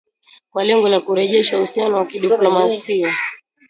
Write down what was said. Kwa lengo la kurejesha uhusiano wa kidiplomasia.